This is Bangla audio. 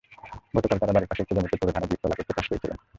গতকাল তাঁরা বাড়ির পাশের একটি জমিতে বোরো ধানের বীজতলা করতে চাষ করছিলেন।